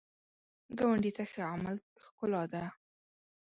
ګاونډي ته ښه عمل ښکلا ده